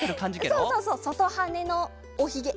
そうそうそうそとはねのおひげ。